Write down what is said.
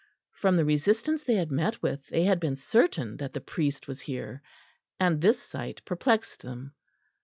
From the resistance they had met with they had been certain that the priest was here, and this sight perplexed them.